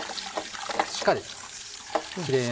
しっかりキレイな。